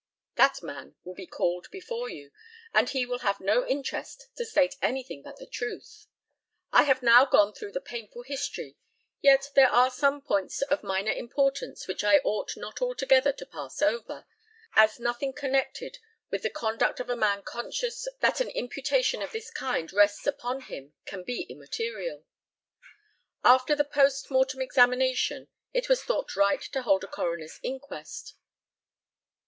That man will be called before you, and he will have no interest to state anything but the truth. I have now gone through the painful history, yet there are some points of minor importance which I ought not altogether to pass over, as nothing connected with the conduct of a man conscious that an imputation of this kind rests upon him can be immaterial. After the post mortem examination it was thought right to hold a coroner's inquest.